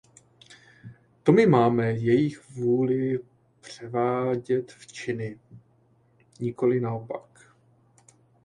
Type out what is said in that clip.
To my máme jejich vůli převádět v činy, nikoli naopak.